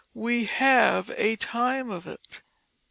we have a time of it!"